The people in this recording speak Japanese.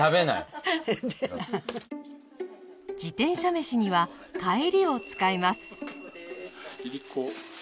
自転車めしにはかえりを使います。